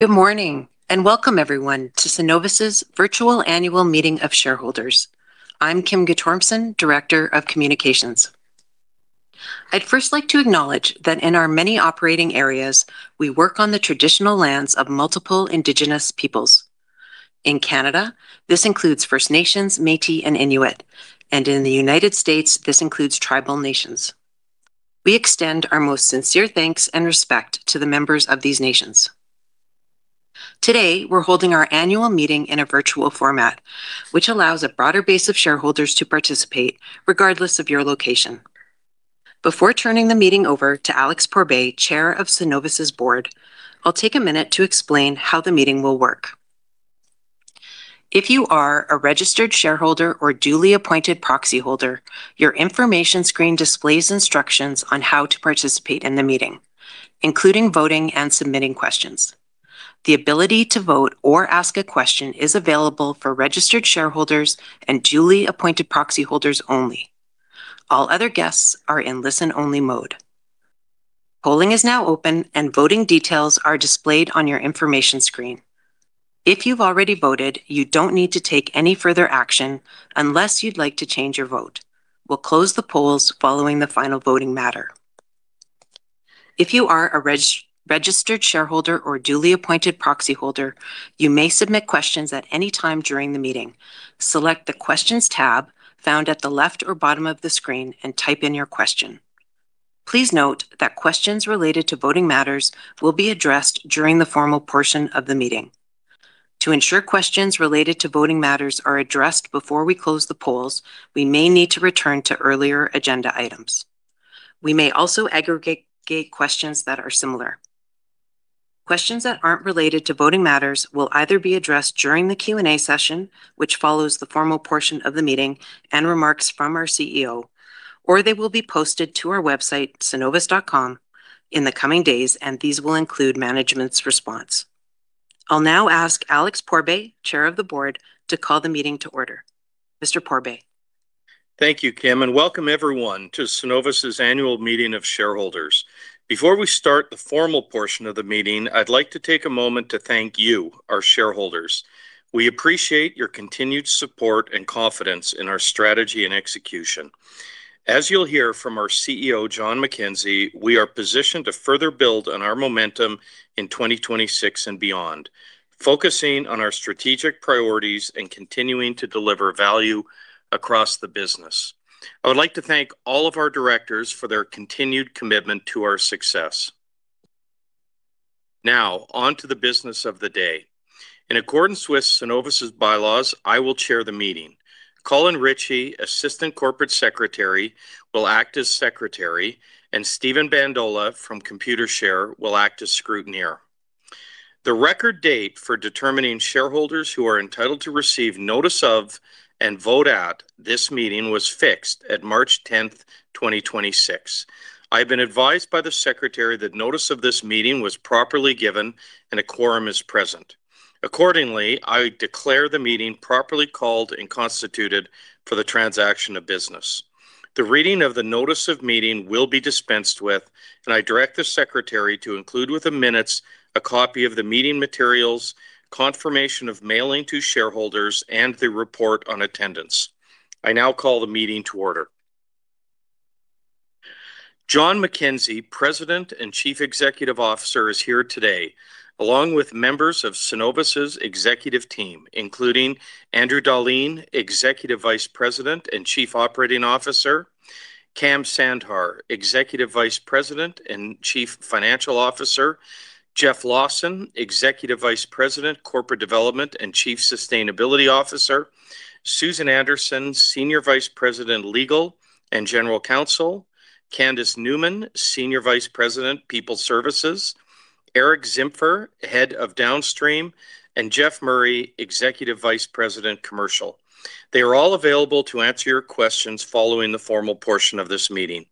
Good morning, and welcome everyone to Cenovus' virtual annual meeting of shareholders. I'm Kim Guttormson, Director of Communications. I'd first like to acknowledge that in our many operating areas, we work on the traditional lands of multiple indigenous peoples. In Canada, this includes First Nations, Métis, and Inuit, and in the U.S., this includes tribal nations. We extend our most sincere thanks and respect to the members of these nations. Today, we're holding our annual meeting in a virtual format, which allows a broader base of shareholders to participate regardless of your location. Before turning the meeting over to Alex Pourbaix, Chair of Cenovus' Board, I'll take a minute to explain how the meeting will work. If you are a registered shareholder or duly appointed proxyholder, your information screen displays instructions on how to participate in the meeting, including voting and submitting questions. The ability to vote or ask a question is available for registered shareholders and duly appointed proxyholders only. All other guests are in listen-only mode. Polling is now open and voting details are displayed on your information screen. If you've already voted, you don't need to take any further action unless you'd like to change your vote. We'll close the polls following the final voting matter. If you are a registered shareholder or duly appointed proxyholder, you may submit questions at any time during the meeting. Select the questions tab found at the left or bottom of the screen and type in your question. Please note that questions related to voting matters will be addressed during the formal portion of the meeting. To ensure questions related to voting matters are addressed before we close the polls, we may need to return to earlier agenda items. We may also aggregate questions that are similar. Questions that aren't related to voting matters will either be addressed during the Q&A session, which follows the formal portion of the meeting and remarks from our CEO, or they will be posted to our website, cenovus.com, in the coming days, and these will include management's response. I'll now ask Alex Pourbaix, chair of the board, to call the meeting to order. Mr. Pourbaix. Thank you, Kim, and welcome everyone to Cenovus' annual meeting of shareholders. Before we start the formal portion of the meeting, I'd like to take a moment to thank you, our shareholders. We appreciate your continued support and confidence in our strategy and execution. As you'll hear from our CEO, Jon McKenzie, we are positioned to further build on our momentum in 2026 and beyond, focusing on our strategic priorities and continuing to deliver value across the business. I would like to thank all of our directors for their continued commitment to our success. Now, on to the business of the day. In accordance with Cenovus' bylaws, I will chair the meeting. Colin Ritchie, Assistant Corporate Secretary, will act as secretary, and Stephen Bandola from Computershare will act as scrutineer. The record date for determining shareholders who are entitled to receive notice of and vote at this meeting was fixed at March 10th, 2026. I've been advised by the Secretary that notice of this meeting was properly given and a quorum is present. Accordingly, I declare the meeting properly called and constituted for the transaction of business. The reading of the notice of meeting will be dispensed with, and I direct the Secretary to include with the minutes a copy of the meeting materials, confirmation of mailing to shareholders, and the report on attendance. I now call the meeting to order. Jon McKenzie, President and Chief Executive Officer, is here today, along with members of Cenovus' executive team, including Andrew Dahlin, Executive Vice President and Chief Operating Officer; Kam Sandhar, Executive Vice President and Chief Financial Officer; Jeff Lawson, Executive Vice President, Corporate Development & Chief Sustainability Officer; Susan Anderson, Senior Vice President, Legal and General Counsel; Candace Newman, Senior Vice President, People Services; Eric Zimpfer, Head of Downstream; and Geoff Murray, Executive Vice President, Commercial. They are all available to answer your questions following the formal portion of this meeting.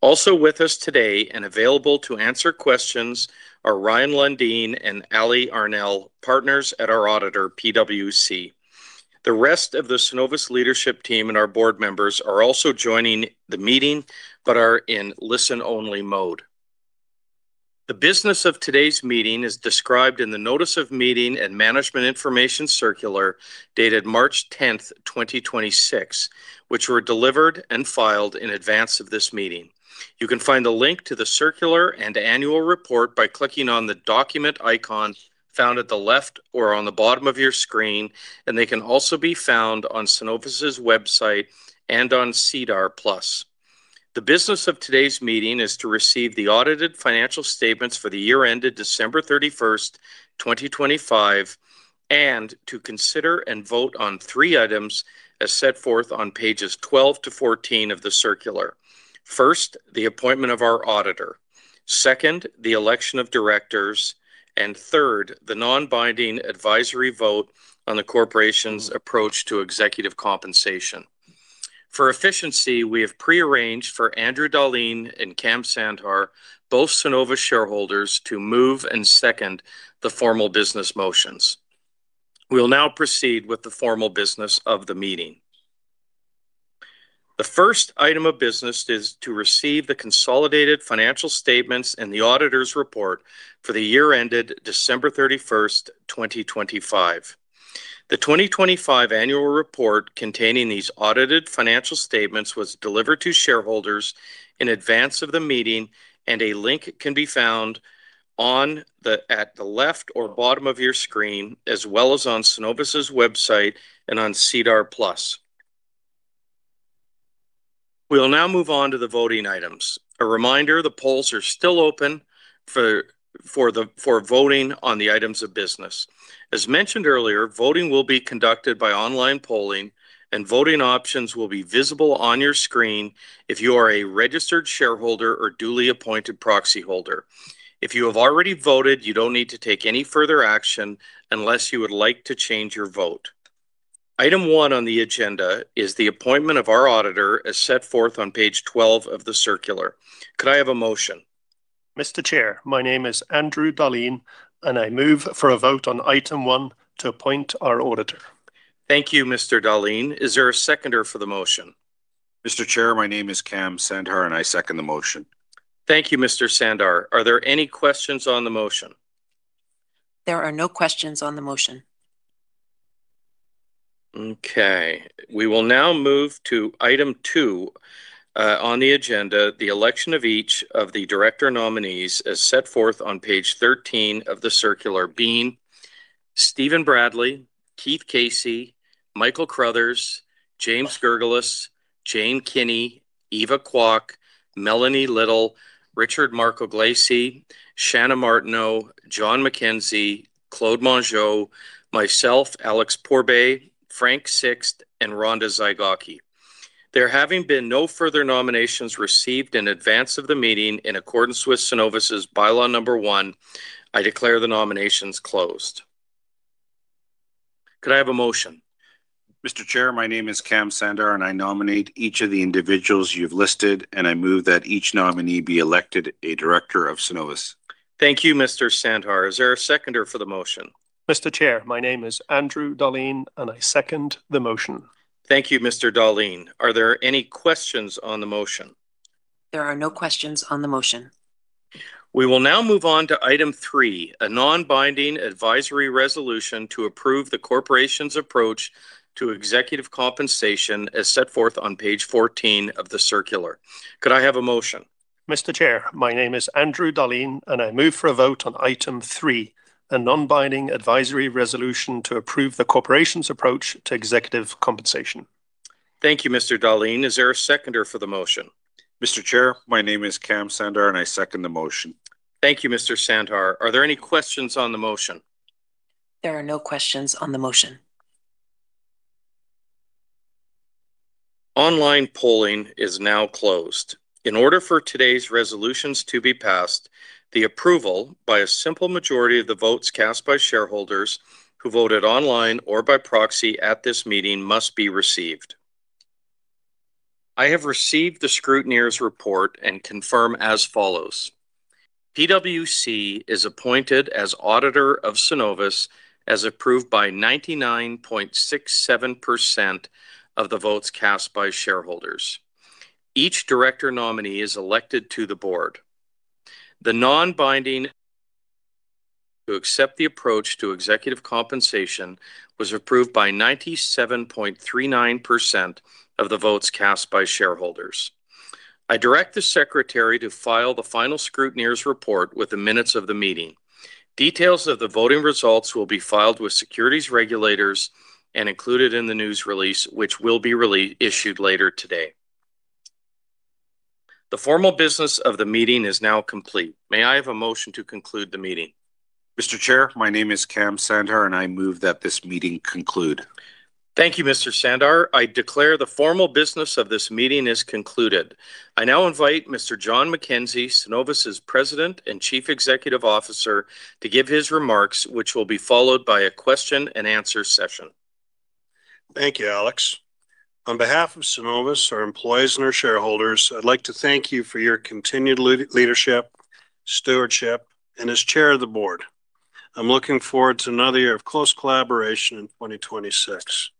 Also with us today and available to answer questions are Ryan Lundeen and Ali Arnell, partners at our auditor, PwC. The rest of the Cenovus leadership team and our board members are also joining the meeting but are in listen-only mode. The business of today's meeting is described in the notice of meeting and management information circular dated March 10th, 2026, which were delivered and filed in advance of this meeting. You can find a link to the circular and annual report by clicking on the document icon found at the left or on the bottom of your screen, and they can also be found on Cenovus' website and on SEDAR+. The business of today's meeting is to receive the audited financial statements for the year ended December 31st, 2025, and to consider and vote on three items as set forth on pages 12 to 14 of the circular. First, the appointment of our auditor. Second, the election of directors. Third, the non-binding advisory vote on the corporation's approach to executive compensation. For efficiency, we have pre-arranged for Andrew Dahlin and Kam Sandhar, both Cenovus shareholders, to move and second the formal business motions. We will now proceed with the formal business of the meeting. The first item of business is to receive the consolidated financial statements and the auditor's report for the year ended December 31st, 2025. The 2025 annual report containing these audited financial statements was delivered to shareholders in advance of the meeting, and a link can be found at the left or bottom of your screen, as well as on cenovus.com and on SEDAR+. We'll now move on to the voting items. A reminder, the polls are still open for voting on the items of business. As mentioned earlier, voting will be conducted by online polling and voting options will be visible on your screen if you are a registered shareholder or duly appointed proxy holder. If you have already voted, you don't need to take any further action unless you would like to change your vote. Item one on the agenda is the appointment of our auditor as set forth on page 12 of the circular. Could I have a motion? Mr. Chair, my name is Andrew Dahlin. I move for a vote on item one to appoint our auditor. Thank you, Mr. Dahlin. Is there a seconder for the motion? Mr. Chair, my name is Kam Sandhar, and I second the motion. Thank you, Mr. Sandhar. Are there any questions on the motion? There are no questions on the motion. Okay. We will now move to item two on the agenda, the election of each of the director nominees as set forth on page 13 of the circular, being Stephen Bradley, Keith Casey, Michael Crothers, James Girgulis, Jane Kinney, Eva Kwok, Melanie Little, Richard Marcogliese, Chana Martineau, Jon McKenzie, Claude Mongeau, myself, Alex Pourbaix, Frank Sixt, and Rhonda Zygocki. There having been no further nominations received in advance of the meeting, in accordance with Cenovus' bylaw number one, I declare the nominations closed. Could I have a motion? Mr. Chair, my name is Kam Sandhar. I nominate each of the individuals you've listed. I move that each nominee be elected a director of Cenovus. Thank you, Mr. Sandhar. Is there a seconder for the motion? Mr. Chair, my name is Andrew Dahlin, and I second the motion. Thank you, Mr. Dahlin. Are there any questions on the motion? There are no questions on the motion. We will now move on to item three, a non-binding advisory resolution to approve the corporation's approach to executive compensation as set forth on page 14 of the circular. Could I have a motion? Mr. Chair, my name is Andrew Dahlin, and I move for a vote on item three, a non-binding advisory resolution to approve the corporation's approach to executive compensation. Thank you, Mr. Dahlin. Is there a seconder for the motion? Mr. Chair, my name is Kam Sandhar, and I second the motion. Thank you, Mr. Sandhar. Are there any questions on the motion? There are no questions on the motion. Online polling is now closed. In order for today's resolutions to be passed, the approval by a simple majority of the votes cast by shareholders who voted online or by proxy at this meeting must be received. I have received the scrutineer's report and confirm as follows: PwC is appointed as auditor of Cenovus as approved by 99.67% of the votes cast by shareholders. Each director nominee is elected to the board. The non-binding to accept the approach to executive compensation was approved by 97.39% of the votes cast by shareholders. I direct the secretary to file the final scrutineer's report with the minutes of the meeting. Details of the voting results will be filed with securities regulators and included in the news release, which will be issued later today. The formal business of the meeting is now complete. May I have a motion to conclude the meeting? Mr. Chair, my name is Kam Sandhar, and I move that this meeting conclude. Thank you, Mr. Sandhar. I declare the formal business of this meeting is concluded. I now invite Mr. Jon McKenzie, Cenovus' President and Chief Executive Officer, to give his remarks, which will be followed by a question-and-answer session. Thank you, Alex. On behalf of Cenovus, our employees, and our shareholders, I'd like to thank you for your continued leadership, stewardship. As Chair of the Board, I'm looking forward to another year of close collaboration in 2026.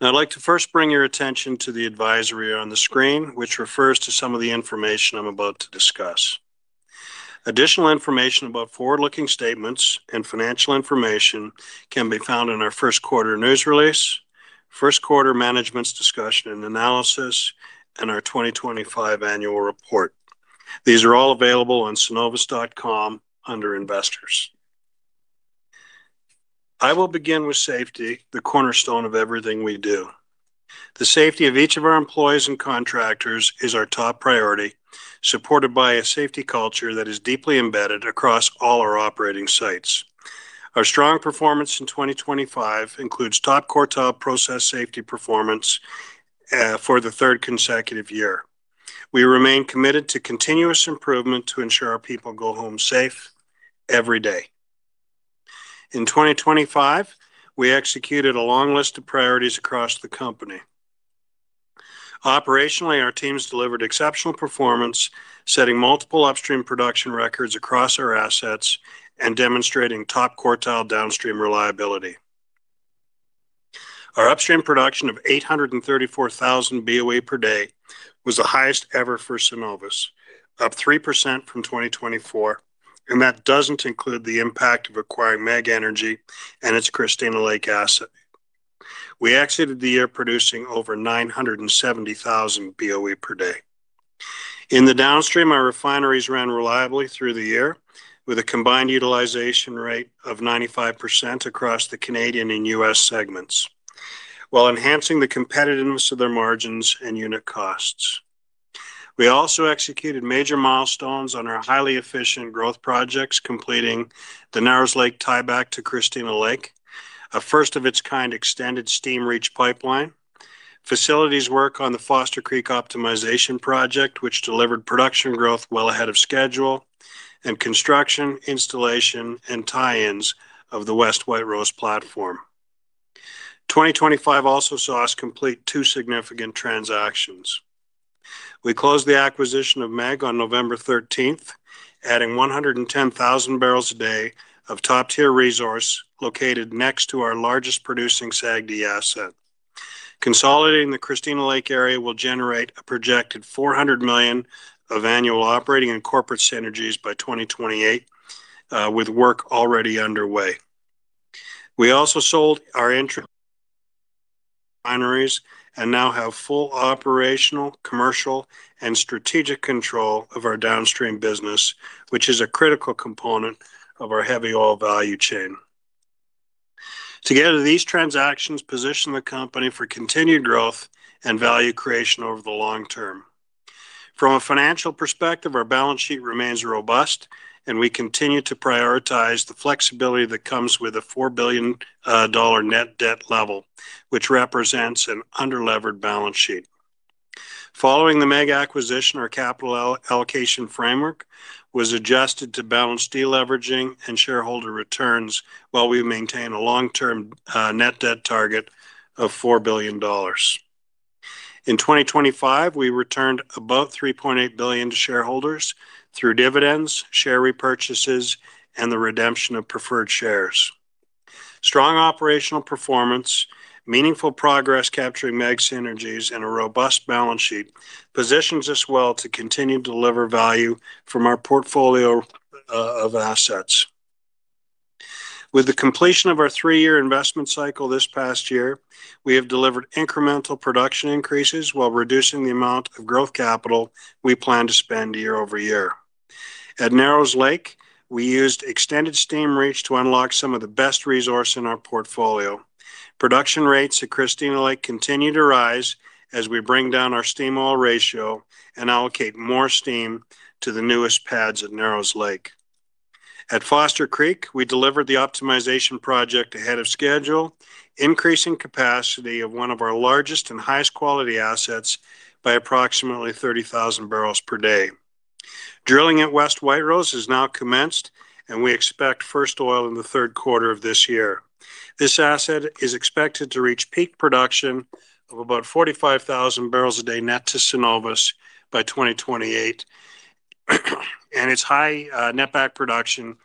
I'd like to first bring your attention to the advisory on the screen, which refers to some of the information I'm about to discuss. Additional information about forward-looking statements and financial information can be found in our first quarter news release, first quarter management's discussion and analysis, and our 2025 annual report. These are all available on cenovus.com under Investors. I will begin with safety, the cornerstone of everything we do. The safety of each of our employees and contractors is our top priority, supported by a safety culture that is deeply embedded across all our operating sites. Our strong performance in 2025 includes top quartile process safety performance for the third consecutive year. We remain committed to continuous improvement to ensure our people go home safe every day. In 2025, we executed a long list of priorities across the company. Operationally, our teams delivered exceptional performance, setting multiple Upstream production records across our assets and demonstrating top quartile Downstream reliability. Our Upstream production of 834,000 BOE per day was the highest ever for Cenovus, up 3% from 2024, and that doesn't include the impact of acquiring MEG Energy and its Christina Lake asset. We exited the year producing over 970,000 BOE per day. In the Downstream, our refineries ran reliably through the year with a combined utilization rate of 95% across the Canadian and U.S. segments while enhancing the competitiveness of their margins and unit costs. We also executed major milestones on our highly efficient growth projects, completing the Narrows Lake tieback to Christina Lake, a first of its kind extended steam reach pipeline, facilities work on the Foster Creek optimization project, which delivered production growth well ahead of schedule, and construction, installation, and tie-ins of the West White Rose platform. 2025 also saw us complete two significant transactions. We closed the acquisition of MEG on November 13th, adding 110,000 barrels a day of top-tier resource located next to our largest producing SAGD asset. Consolidating the Christina Lake area will generate a projected 400 million of annual operating and corporate synergies by 2028, with work already underway. We also sold our interest in refineries and now have full operational, commercial, and strategic control of our downstream business, which is a critical component of our heavy oil value chain. Together, these transactions position the company for continued growth and value creation over the long term. From a financial perspective, our balance sheet remains robust, and we continue to prioritize the flexibility that comes with a 4 billion dollar net debt level, which represents an under-levered balance sheet. Following the MEG acquisition, our capital allocation framework was adjusted to balance deleveraging and shareholder returns while we maintain a long-term net debt target of 4 billion dollars. In 2025, we returned above 3.8 billion to shareholders through dividends, share repurchases, and the redemption of preferred shares. Strong operational performance, meaningful progress capturing MEG synergies, and a robust balance sheet positions us well to continue to deliver value from our portfolio of assets. With the completion of our three-year investment cycle this past year, we have delivered incremental production increases while reducing the amount of growth capital we plan to spend year-over-year. At Narrows Lake, we used extended steam reach to unlock some of the best resource in our portfolio. Production rates at Christina Lake continue to rise as we bring down our steam oil ratio and allocate more steam to the newest pads at Narrows Lake. At Foster Creek, we delivered the optimization project ahead of schedule, increasing capacity of one of our largest and highest quality assets by approximately 30,000 barrels per day. Drilling at West White Rose has now commenced, and we expect first oil in the third quarter of this year. This asset is expected to reach peak production of about 45,000 barrels a day net to Cenovus by 2028. Its high net back production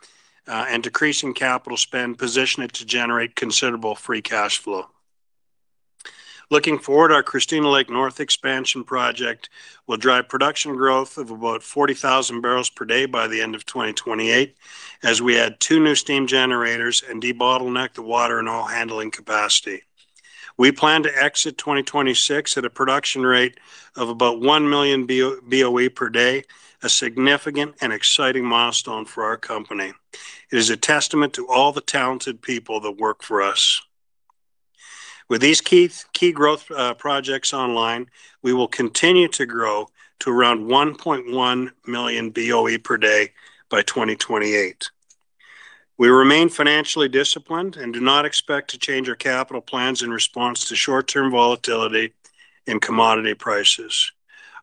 and decrease in capital spend position it to generate considerable free cash flow. Looking forward, our Christina Lake North expansion project will drive production growth of about 40,000 barrels per day by the end of 2028 as we add two new steam generators and debottleneck the water and oil handling capacity. We plan to exit 2026 at a production rate of about 1 million BOE per day, a significant and exciting milestone for our company. It is a testament to all the talented people that work for us. With these key growth projects online, we will continue to grow to around 1.1 million BOE per day by 2028. We remain financially disciplined and do not expect to change our capital plans in response to short-term volatility in commodity prices.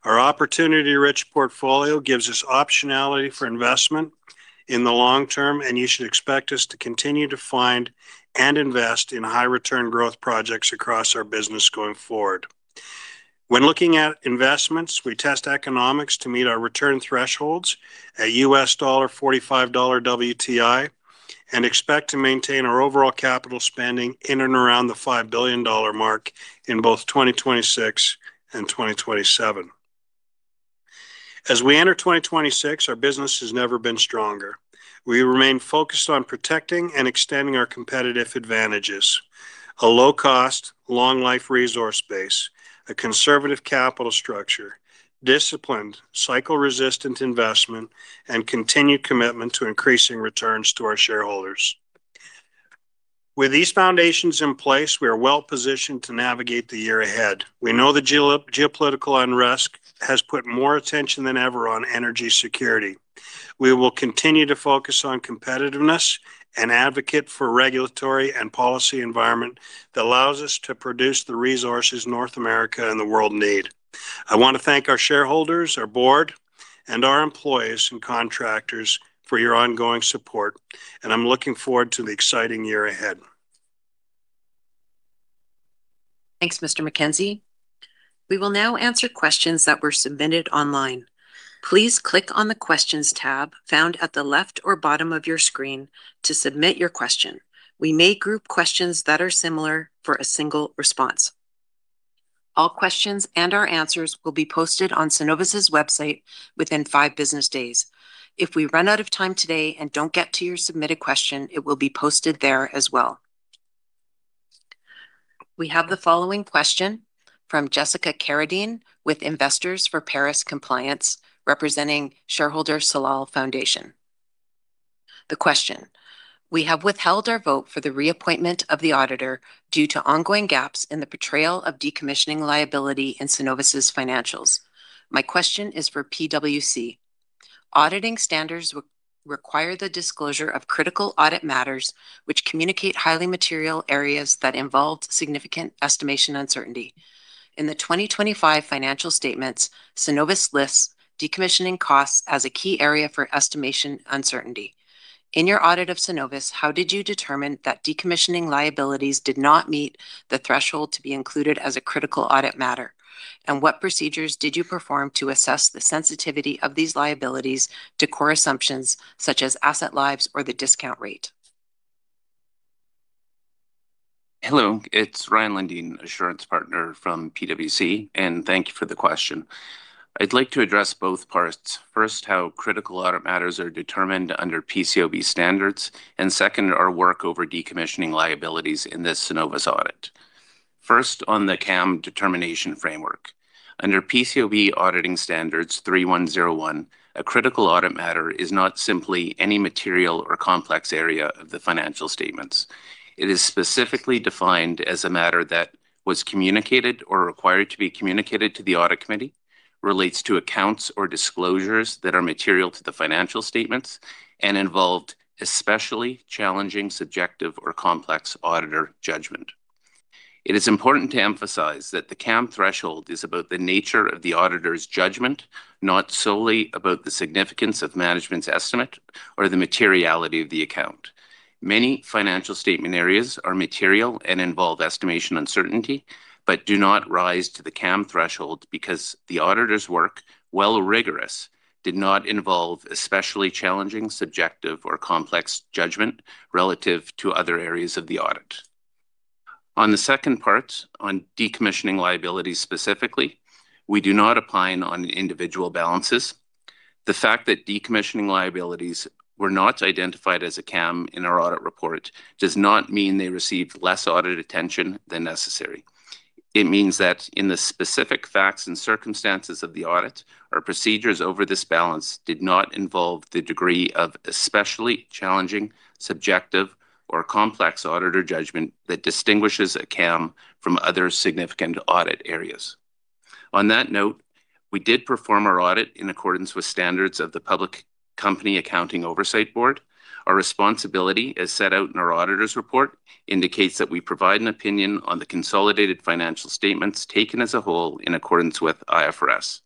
Our opportunity-rich portfolio gives us optionality for investment in the long term, you should expect us to continue to find and invest in high return growth projects across our business going forward. When looking at investments, we test economics to meet our return thresholds at $45 WTI and expect to maintain our overall capital spending in and around the 5 billion dollar mark in both 2026 and 2027. As we enter 2026, our business has never been stronger. We remain focused on protecting and extending our competitive advantages. A low cost, long life resource base, a conservative capital structure, disciplined, cycle-resistant investment, and continued commitment to increasing returns to our shareholders. With these foundations in place, we are well-positioned to navigate the year ahead. We know the geopolitical unrest has put more attention than ever on energy security. We will continue to focus on competitiveness and advocate for regulatory and policy environment that allows us to produce the resources North America and the world need. I want to thank our shareholders, our Board, and our employees and contractors for your ongoing support, and I'm looking forward to the exciting year ahead. Thanks, Mr. McKenzie. We will now answer questions that were submitted online. Please click on the questions tab found at the left or bottom of your screen to submit your question. We may group questions that are similar for a single response. All questions and our answers will be posted on Cenovus' website within five business days. If we run out of time today and don't get to your submitted question, it will be posted there as well. We have the following question from Jessica Carradine with Investors for Paris Compliance, representing shareholder Salal Foundation. The question, "We have withheld our vote for the reappointment of the auditor due to ongoing gaps in the portrayal of decommissioning liability in Cenovus' financials. My question is for PwC. Auditing standards require the disclosure of critical audit matters which communicate highly material areas that involved significant estimation uncertainty. In the 2025 financial statements, Cenovus lists decommissioning costs as a key area for estimation uncertainty. In your audit of Cenovus, how did you determine that decommissioning liabilities did not meet the threshold to be included as a critical audit matter? What procedures did you perform to assess the sensitivity of these liabilities to core assumptions such as asset lives or the discount rate?" Hello. It's Ryan Lundeen, assurance partner from PwC. Thank you for the question. I'd like to address both parts. First, how critical audit matters are determined under PCAOB standards, second, our work over decommissioning liabilities in the Cenovus audit. First, on the CAM determination framework. Under PCAOB auditing standards 3101, a critical audit matter is not simply any material or complex area of the financial statements. It is specifically defined as a matter that was communicated or required to be communicated to the audit committee, relates to accounts or disclosures that are material to the financial statements, and involved especially challenging, subjective, or complex auditor judgment. It is important to emphasize that the CAM threshold is about the nature of the auditor's judgment, not solely about the significance of management's estimate or the materiality of the account. Many financial statement areas are material and involve estimation uncertainty, but do not rise to the CAM threshold because the auditor's work, while rigorous, did not involve especially challenging, subjective, or complex judgment relative to other areas of the audit. On the second part, on decommissioning liabilities specifically, we do not opine on individual balances. The fact that decommissioning liabilities were not identified as a CAM in our audit report does not mean they received less audit attention than necessary. It means that in the specific facts and circumstances of the audit, our procedures over this balance did not involve the degree of especially challenging, subjective, or complex auditor judgment that distinguishes a CAM from other significant audit areas. On that note, we did perform our audit in accordance with standards of the Public Company Accounting Oversight Board. Our responsibility, as set out in our auditor's report, indicates that we provide an opinion on the consolidated financial statements taken as a whole in accordance with IFRS.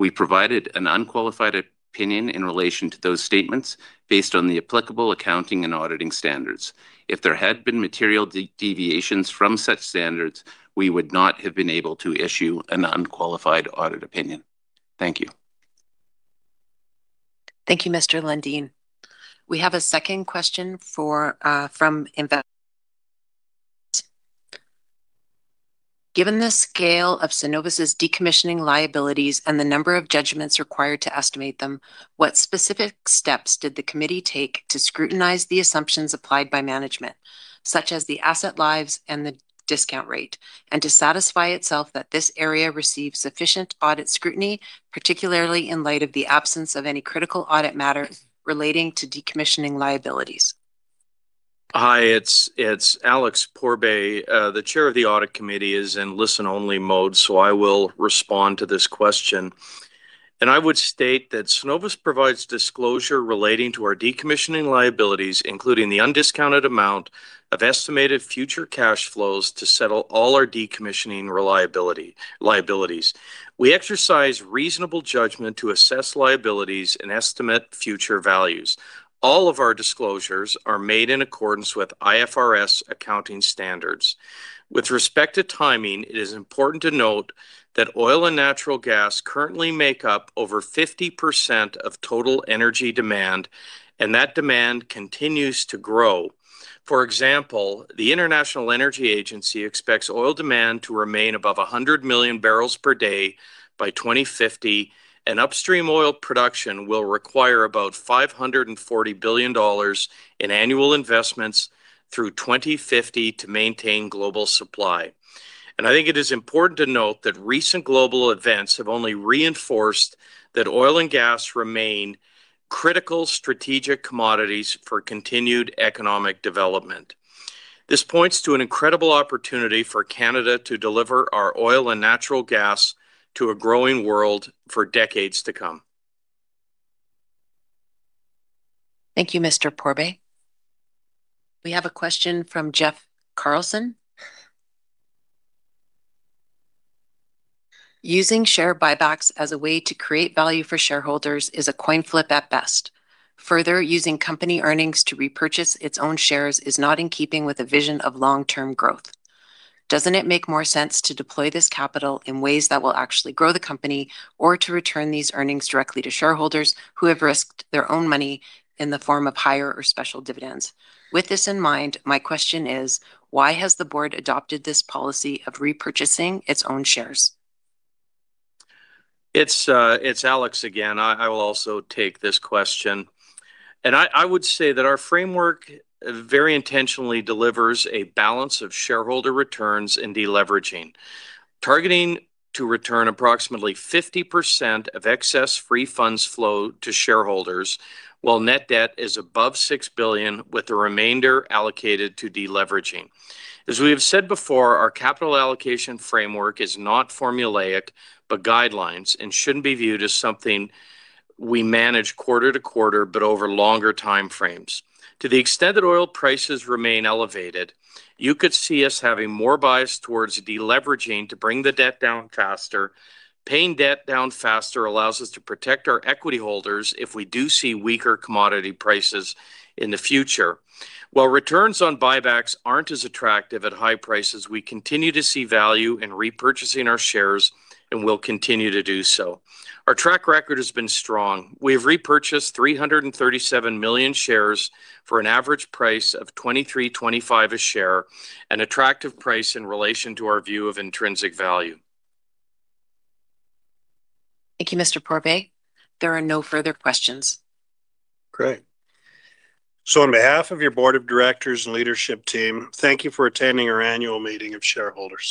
We provided an unqualified opinion in relation to those statements based on the applicable accounting and auditing standards. If there had been material deviations from such standards, we would not have been able to issue an unqualified audit opinion. Thank you. Thank you, Mr. Lundeen. We have a second question for, from Investors. Given the scale of Cenovus' decommissioning liabilities and the number of judgments required to estimate them, what specific steps did the committee take to scrutinize the assumptions applied by management, such as the asset lives and the discount rate, and to satisfy itself that this area received sufficient audit scrutiny, particularly in light of the absence of any critical audit matter relating to decommissioning liabilities? Hi. It's Alex Pourbaix. The Chair of the audit committee is in listen-only mode, so I will respond to this question. I would state that Cenovus provides disclosure relating to our decommissioning liabilities, including the undiscounted amount of estimated future cash flows to settle all our decommissioning liabilities. We exercise reasonable judgment to assess liabilities and estimate future values. All of our disclosures are made in accordance with IFRS accounting standards. With respect to timing, it is important to note that oil and natural gas currently make up over 50% of total energy demand. That demand continues to grow. For example, the International Energy Agency expects oil demand to remain above 100 million barrels per day by 2050. Upstream oil production will require about $540 billion in annual investments through 2050 to maintain global supply. I think it is important to note that recent global events have only reinforced that oil and gas remain critical strategic commodities for continued economic development. This points to an incredible opportunity for Canada to deliver our oil and natural gas to a growing world for decades to come. Thank you, Mr. Pourbaix. We have a question from Jeff Carlson. "Using share buybacks as a way to create value for shareholders is a coin flip at best. Further, using company earnings to repurchase its own shares is not in keeping with the vision of long-term growth. Doesn't it make more sense to deploy this capital in ways that will actually grow the company or to return these earnings directly to shareholders who have risked their own money in the form of higher or special dividends? With this in mind, my question is, why has the board adopted this policy of repurchasing its own shares?" It's, it's Alex again. I will also take this question. I would say that our framework very intentionally delivers a balance of shareholder returns in deleveraging, targeting to return approximately 50% of excess free funds flow to shareholders while net debt is above 6 billion, with the remainder allocated to deleveraging. As we have said before, our capital allocation framework is not formulaic, but guidelines, and shouldn't be viewed as something we manage quarter to quarter, but over longer timeframes. To the extent that oil prices remain elevated, you could see us having more bias towards deleveraging to bring the debt down faster. Paying debt down faster allows us to protect our equity holders if we do see weaker commodity prices in the future. While returns on buybacks aren't as attractive at high prices, we continue to see value in repurchasing our shares and will continue to do so. Our track record has been strong. We have repurchased 337 million shares for an average price of 23.25 a share, an attractive price in relation to our view of intrinsic value. Thank you, Mr. Pourbaix. There are no further questions. Great. On behalf of your board of directors and leadership team, thank you for attending our annual meeting of shareholders.